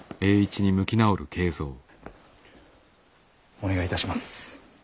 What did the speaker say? お願いいたします。